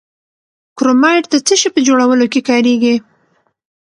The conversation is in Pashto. کرومایټ د څه شي په جوړولو کې کاریږي؟